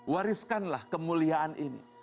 wariskanlah kemuliaan ini